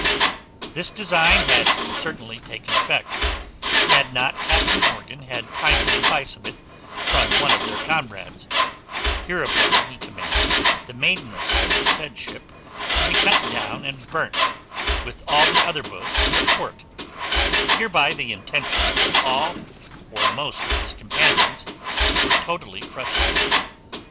This design had certainly taken effect, had not Captain Morgan had timely advice of it from one of their comrades: hereupon he commanded the mainmast of the said ship to be cut down and burnt, with all the other boats in the port: hereby the intentions of all or most of his companions were totally frustrated.